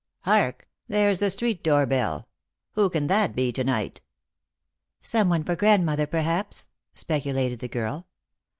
Hark! there's the street door bell. Who can that be to night ?"" Some one for grandmother, perhaps," speculated the girl.